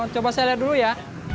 coba saya lihat dulu ya